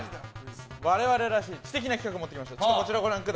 我々らしい知的な企画を持ってきました。